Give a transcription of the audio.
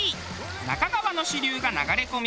那珂川の支流が流れ込み